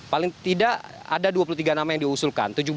paling tidak ada dua puluh tiga nama yang diusulkan